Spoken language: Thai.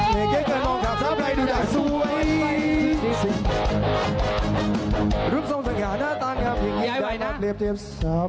ยายไหวนะ